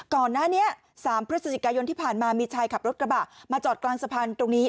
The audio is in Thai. ก่อนหน้านี้๓พฤศจิกายนที่ผ่านมามีชายขับรถกระบะมาจอดกลางสะพานตรงนี้